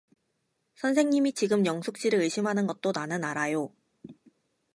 선생님이 지금 영숙 씨를 의심하는 것도 나는 알아요.